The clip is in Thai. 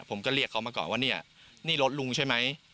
ผมก็เรียกเขามาก่อนว่าเนี่ยนี่รถลุงใช่ไหม